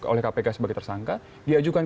oleh kpk sebagai tersangka diajukan